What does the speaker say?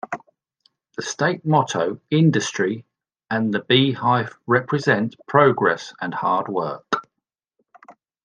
The state motto "Industry" and the beehive represent progress and hard work.